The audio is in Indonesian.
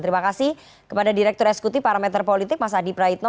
terima kasih kepada direktur eskuti parameter politik mas adi praitno